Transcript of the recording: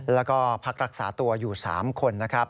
แล้วก็พักรักษาตัวอยู่๓คนนะครับ